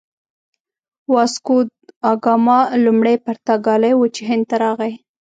واسکوداګاما لومړی پرتګالی و چې هند ته راغی.